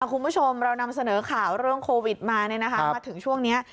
คุณผู้ชมเรานำเสนอข่าวเรื่องโควิดมามาถึงช่วงนี้